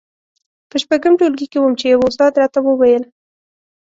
په شپږم ټولګي کې وم چې يوه استاد راته وويل.